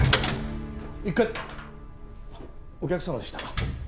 一課お客様でしたか。